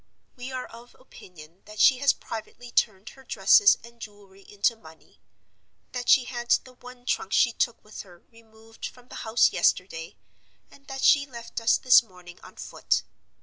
We are of opinion that she has privately turned her dresses and jewelry into money; that she had the one trunk she took with her removed from the house yesterday; and that she left us this morning on foot.